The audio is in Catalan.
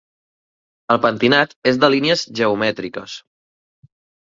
El pentinat és de línies geomètriques.